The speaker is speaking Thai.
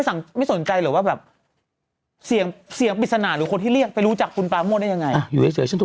ถ้าไม่สนใจเรื่องว่าแสงเสียงปรารถนาหรือคนที่เรียนไปรู้จักคุณปะแม่งไหน๙๐๘๒